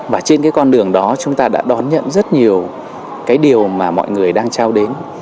và trên cái con đường đó chúng ta đã đón nhận rất nhiều cái điều mà mọi người đang trao đến